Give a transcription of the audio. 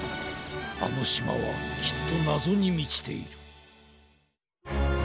あのしまはきっとなぞにみちている。